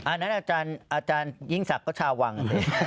อันนั้นอาจารย์ยิ่งศักดิ์ก็ชาววัง